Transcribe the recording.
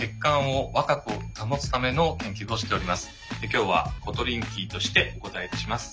今日はコトリンキーとしてお答えいたします。